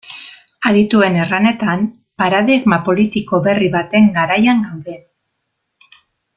Adituen erranetan, paradigma politiko berri baten garaian gaude.